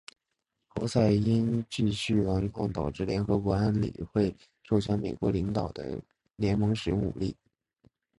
侯赛因继续顽抗导致联合国安理会授权美国领导的联盟使用武力。